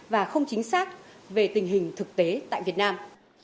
và không chính xác về tình hình thực tế tại việt nam